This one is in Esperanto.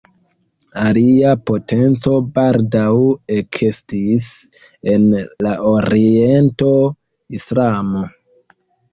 Alia potenco baldaŭ ekestis en la oriento: Islamo.